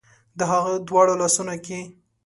د هغه دواړو لاسونو کې